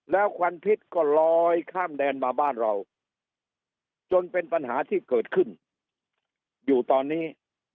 แล้วควันพิษก็ลอยข้ามแดนมาบ้านเราจนเป็นปัญหาที่เกิดขึ้นอยู่ตอนนี้